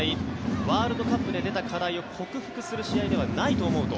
ワールドカップで出た課題を克服する試合ではないと思うと。